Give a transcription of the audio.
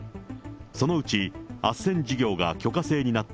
そのうち、あっせん事業が許可制になった